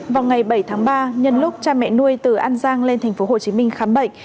vào ngày bảy tháng ba nhân lúc cha mẹ nuôi từ an giang lên tp hcm khám bệnh